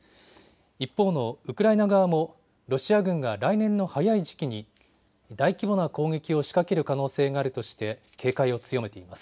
一方のウクライナ側もロシア軍が来年の早い時期に大規模な攻撃を仕掛ける可能性があるとして警戒を強めています。